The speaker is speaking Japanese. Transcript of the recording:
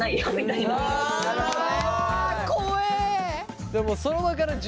なるほどね。